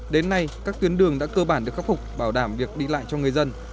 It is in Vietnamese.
đến nay các tuyến đường đã cơ bản được khắc phục bảo đảm việc đi lại cho người dân